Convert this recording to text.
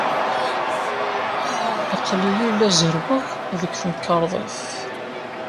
Aql-iyi la zerrweɣ deg temkarḍit.